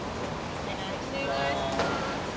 お願いします